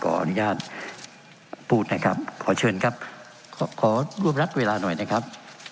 ขออนุญาตพูดนะครับขอเชิญครับขอร่วมรัดเวลาหน่อยนะครับ